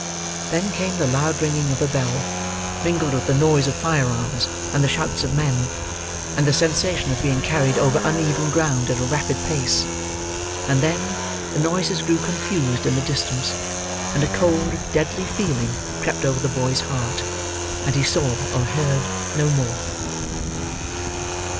Then came the loud ringing of a bell, mingled with the noise of fire arms, and the shouts of men, and the sensation of being carried over uneven ground at a rapid pace. And then, the noises grew confused in the distance; and a cold deadly feeling crept over the boy's heart; and he saw or heard no more.